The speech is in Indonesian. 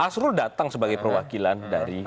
asrul datang sebagai perwakilan dari dpr